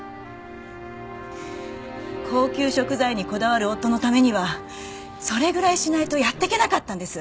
高級食材にこだわる夫のためにはそれぐらいしないとやっていけなかったんです。